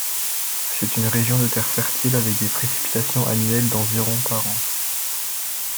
C'est une région de terres fertiles avec des précipitations annuelles d'environ par an.